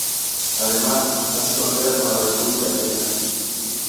Además hace frontera con la República Checa.